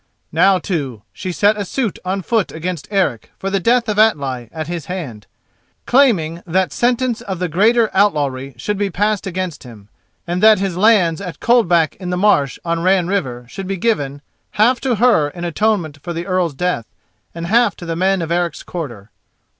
Now, too, she set a suit on foot against Eric for the death of Atli at his hand, claiming that sentence of the greater outlawry should be passed against him, and that his lands at Coldback in the Marsh on Ran River should be given, half to her in atonement for the Earl's death, and half to the men of Eric's quarter.